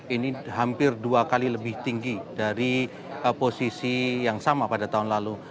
ini hampir dua kali lebih tinggi dari posisi yang sama pada tahun lalu